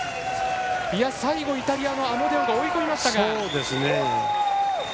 最後イタリアのアモデオが追い込みましたが。